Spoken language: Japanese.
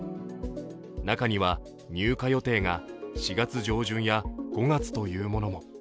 中には入荷予定が４月上旬や５月というものも。